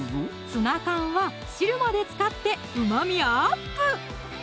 ツナ缶は汁まで使ってうまみアップ！